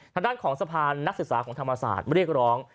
ทางด้านของสะพานนักศึกษาของธรรมศาสตร์เรียกร้อง